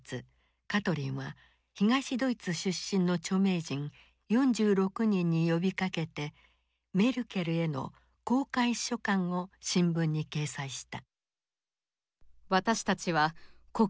カトリンは東ドイツ出身の著名人４６人に呼びかけてメルケルへの公開書簡を新聞に掲載した。